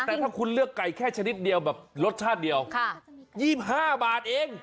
แต่ถ้าคุณเลือกไก่แค่ชนิดเดียวแบบรสชาติเดียว๒๕บาทเอง